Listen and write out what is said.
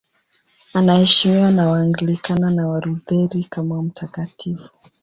Anaheshimiwa na Waanglikana na Walutheri kama mtakatifu.